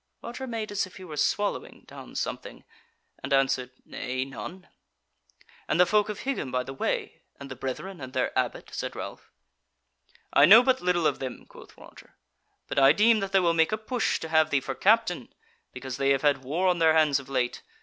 Roger made as if he were swallowing down something, and answered: "Nay, none." "And the folk of Higham by the Way, and the Brethren and their Abbot?" said Ralph. "I know but little of them," quoth Roger, "but I deem that they will make a push to have thee for captain; because they have had war on their hands of late.